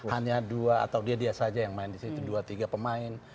hanya dua atau dia dia saja yang main di situ dua tiga pemain